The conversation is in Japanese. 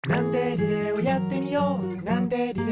リレーをやってみよう！」